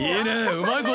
うまいぞ。